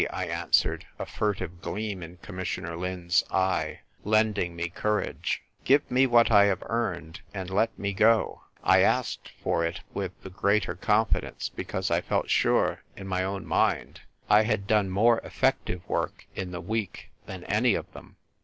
I answered, a furtive gleam in Commissioner Lin's eye lending me 82 THE TYI'K WRITER C.UiL. courage. " Give me what I have earned, and let mc go !" I asked for it with the greater confidence because I felt sure in my own mind I had done more effective work in the week than any of them.